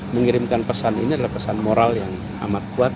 mengirimkan pesan ini adalah pesan moral yang amat kuat